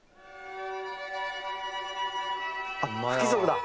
あっ不規則だ！